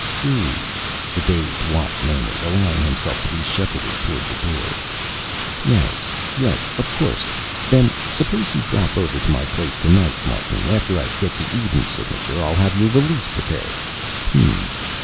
"I see," the dazed Watt murmured, allowing himself to be shepherded toward the door. "Yes, yes, of course. Then suppose you drop over to my place tonight, Martin. After I get the Eden signature, I'll have your release prepared. Hm m.